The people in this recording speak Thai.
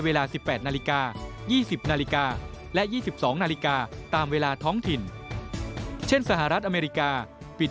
เวลาปิดหยีบเลือกตั้งที่นานถึง๙ชั่วโมงนั้น